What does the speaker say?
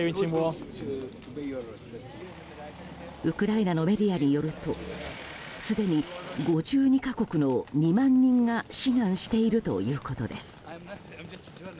ウクライナのメディアによるとすでに５２か国の２万人が志願しているということです。